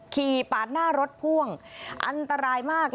ปาดหน้ารถพ่วงอันตรายมาก